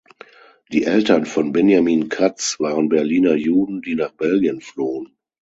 Die Eltern von Benjamin Katz waren Berliner Juden, die nach Belgien flohen.